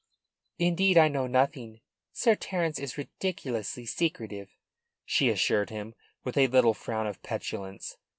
"Indeed, I know nothing. Sir Terence is ridiculously secretive," she assured him, with a little frown of petulance.